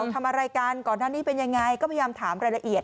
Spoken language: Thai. ทำอะไรกันก่อนหน้านี้เป็นยังไงก็พยายามถามรายละเอียด